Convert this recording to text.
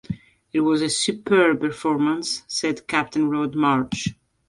"It was a superb performance", said captain Rod Marsh.